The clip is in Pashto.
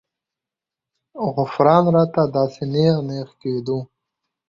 غوپران راته داسې نېغ نېغ کېدو.